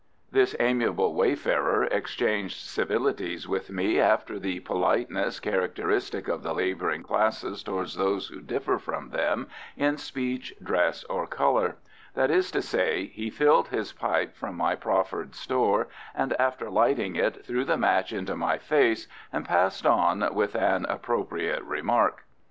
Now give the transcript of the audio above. This amiable wayfarer exchanged civilities with me after the politeness characteristic of the labouring classes towards those who differ from them in speech, dress, or colour: that is to say, he filled his pipe from my proffered store, and after lighting it threw the match into my face, and passed on with an appropriate remark.